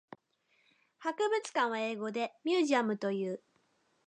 博物館は英語でミュージアムという。